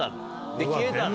で消えたの。